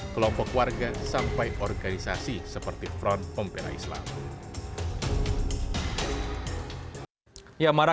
kelompok warga sampai organisasi seperti front pemperintah dan pemerintah